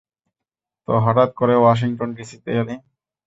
তো, হঠাত করে ওয়াশিংটন ডিসিতে এলে?